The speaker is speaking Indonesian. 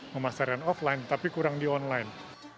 pemasaran offline tapi kurang di online